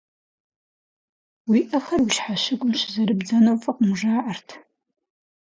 Уи ӏэхэр уи щхьэщыгум щызэрыбдзэну фӏыкъым жаӏэрт.